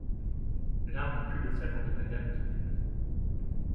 L'art n'est plus le salon de Madame dù Maine